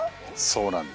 そうなんです。